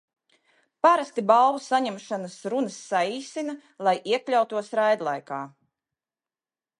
Parasti balvu saņemšanas runas saīsina, lai iekļautos raidlaikā.